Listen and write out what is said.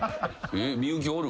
幸おる？